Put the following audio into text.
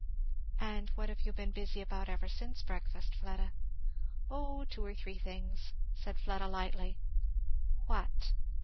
"And what have you been busy about ever since breakfast, Fleda?" "O two or three things," said Fleda lightly. "What?"